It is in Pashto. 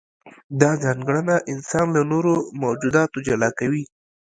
دا ځانګړنه انسان له نورو موجوداتو جلا کوي.